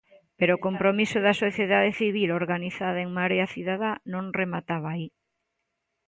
Pero o compromiso da sociedade civil organizada en marea cidadá non remataba aí.